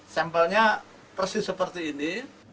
sampelnya persis seperti ini